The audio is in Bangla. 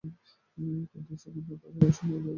কিন্তু সেখান থেকেও তারা এক সময় বেরিয়ে পড়ে।